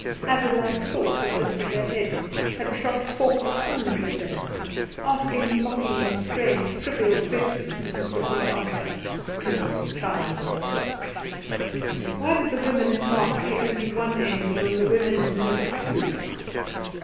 Adder like thoughts had lifted their heads, had shot out forked tongues at him, asking mockingly strange, trivial questions that he could not answer, miserable child: Why did the women in Mark see only one angel and the women in Luke two?